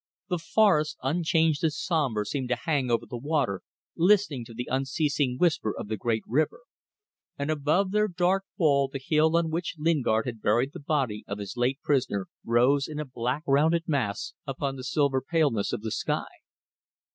The forests, unchanged and sombre, seemed to hang over the water, listening to the unceasing whisper of the great river; and above their dark wall the hill on which Lingard had buried the body of his late prisoner rose in a black, rounded mass, upon the silver paleness of the sky.